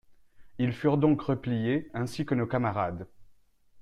Ils furent donc repliés, ainsi que nos camarades.